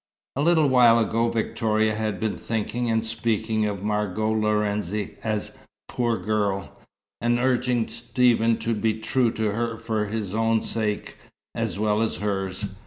A little while ago Victoria had been thinking and speaking of Margot Lorenzi as "poor girl," and urging Stephen to be true to her for his own sake as well as hers.